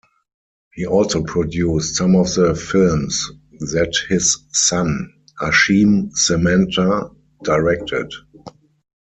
He also produced some of the films that his son, Ashim Samanta, directed.